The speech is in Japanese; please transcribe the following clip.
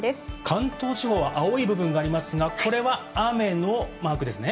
関東地方は青い部分がありますが、これは雨のマークですね。